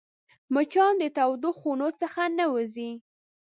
مچان د تودو خونو څخه نه وځي